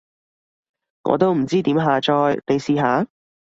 我都唔知點下載，你試下？